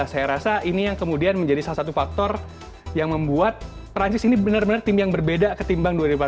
saya rasa ini yang kemudian menjadi salah satu faktor yang membuat perancis ini benar benar tim yang berbeda ketimbang dua ribu delapan belas